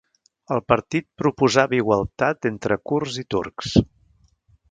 El partit proposava igualtat entre kurds i turcs.